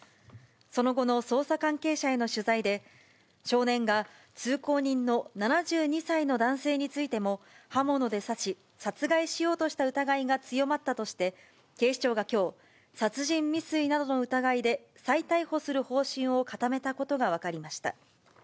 その後の捜査関係者への取材で、少年が通行人の７２歳の男性についても、刃物で刺し、殺害しようとした疑いが強まったとして、警視庁がきょう、殺人未遂などの疑いで再逮捕する方針を固めたことが分かりました。